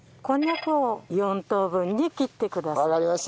こんにゃくを４等分に切ってください。